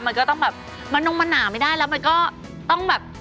มันก็ต้องแบบมันลงมาหนาไม่ได้แล้วมันก็ต้องแบบ